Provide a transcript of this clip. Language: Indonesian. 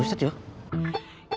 pada saat itu mereka berpikir